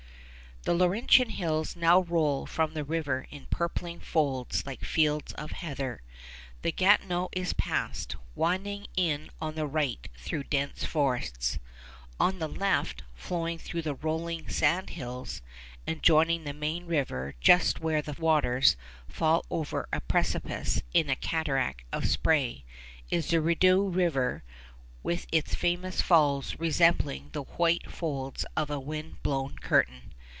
The Laurentian Hills now roll from the river in purpling folds like fields of heather. The Gatineau is passed, winding in on the right through dense forests. On the left, flowing through the rolling sand hills, and joining the main river just where the waters fall over a precipice in a cataract of spray, is the Rideau River with its famous falls resembling the white folds of a wind blown curtain.